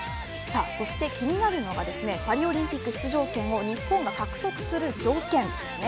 そして気になるのがパリオリンピック出場権を日本が獲得する条件ですね